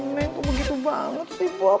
emang neng tuh begitu banget sih bob